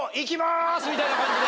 みたいな感じで。